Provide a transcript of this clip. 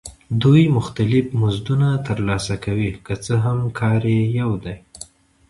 دوی مختلف مزدونه ترلاسه کوي که څه هم کار یې یو دی